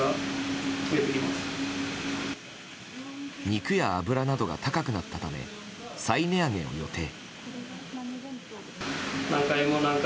肉や油などが高くなったため再値上げを予定。